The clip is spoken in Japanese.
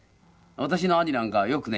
私の兄なんかはよくね。